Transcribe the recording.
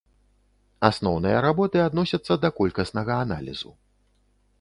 Асноўныя работы адносяцца да колькаснага аналізу.